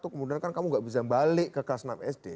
kemudian kan kamu nggak bisa balik ke kelas enam sd